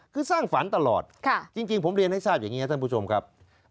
คือสร้างฝันตลอดจริงผมเรียนให้ทราบอย่างนี้ท่านผู้ชมครับ